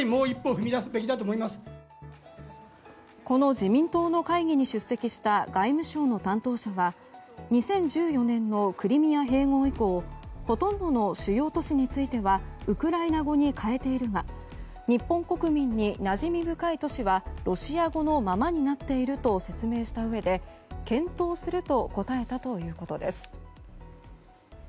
この自民党の会議に出席した外務省の担当者は２０１４年のクリミア併合以降ほとんどの主要都市についてはウクライナ語に変えているが日本国民になじみ深い都市はロシア語のままになっていると説明したうえで検討すると答えたということです。